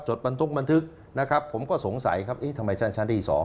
จดบันทุกข์บันทึกนะครับผมก็สงสัยครับทำไมท่านชั้นได้ดินสอ